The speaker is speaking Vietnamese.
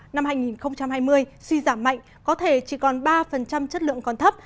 năm hai nghìn hai mươi suy giảm mạnh có thể chỉ còn ba chất lượng còn thấp